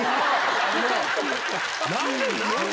何で？